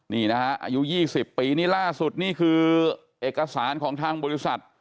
นี่นะฮะอายุ๒๐ปีนี่ล่าสุดนี่คือเอกสารของทางบริษัท